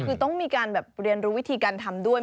คือต้องมีการแบบเรียนรู้วิธีการทำด้วย